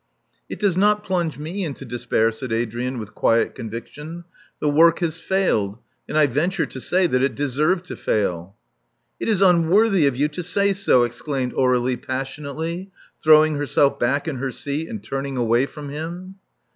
It does not plunge me into despair," said Adrian, with quiet conviction. The work has failed; and I venture to say that it deserved to fail." It is unworthy of you to say so, " exclaimed Aur^lie passionately, throwing herself back in her seat and turning away from him.